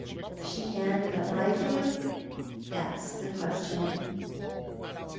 If she can but like you ? That's the question."